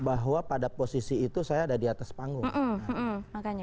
bahwa pada posisi itu saya ada di atas panggung